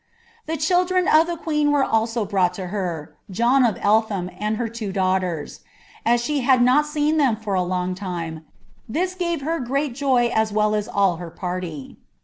" Tlie children of the queen were also brought to her, John of DikM and her two daughters. As she had not seen them for a long tiine, i» gave her great joy as well as nil her parly."